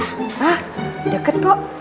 hah deket kok